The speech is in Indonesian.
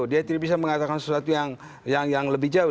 dia tidak bisa mengatakan sesuatu yang lebih jauh